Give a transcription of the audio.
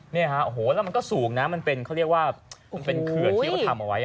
แล้วมันก็สูงนะมันเป็นเครือที่เขาทำเอาไว้